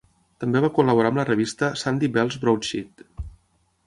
També va col·laborar amb la revista Sandy Bell's Broadsheet.